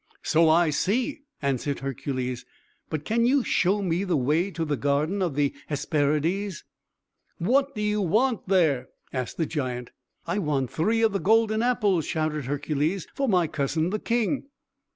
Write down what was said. "So I see," answered Hercules. "But, can you show me the way to the garden of the Hesperides?" "What do you want there?" asked the giant. "I want three of the golden apples," shouted Hercules, "for my cousin, the king."